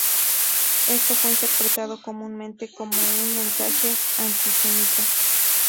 Esto fue interpretado comúnmente como un mensaje antisemita.